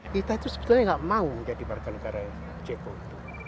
kita itu sebetulnya nggak mau jadi warga negara jpo itu